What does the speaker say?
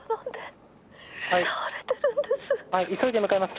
はい急いで向かいます。